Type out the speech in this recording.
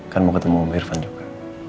kan mau ketemu sama irfan juga